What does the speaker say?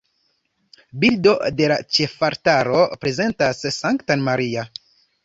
Bildo de la ĉefaltaro prezentas Sanktan Maria.